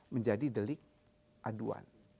menjadi delik aduan